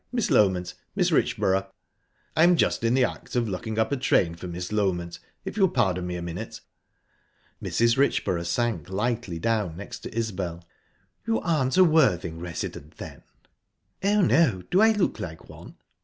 Miss Loment Mrs. Richborough...I'm just in the act of looking up a train for Miss Loment, if you'll pardon me a minute." Mrs. Richborough sank lightly down next to Isbel. "You aren't a Worthing resident, then?" "Oh, no. Do I look like one?"